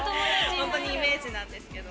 本当にイメージなんですけど。